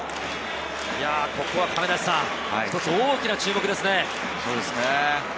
ここは一つ大きな注目ですね。